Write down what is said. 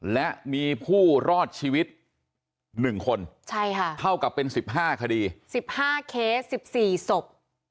และมีผู้รอดชีวิต๑คนเท่ากับเป็น๑๕คดี๑๕เคส๑๔ศพ